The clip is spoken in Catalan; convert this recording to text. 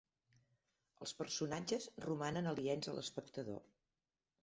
Els personatges romanen aliens a l'espectador.